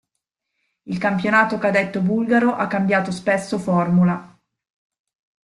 Il campionato cadetto bulgaro ha cambiato spesso formula.